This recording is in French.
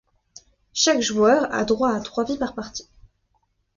Chaque joueur a droit à trois vies par partie.